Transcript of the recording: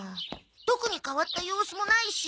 特に変わった様子もないし。